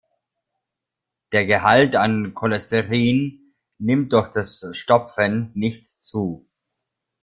Der Gehalt an Cholesterin nimmt durch das Stopfen nicht zu.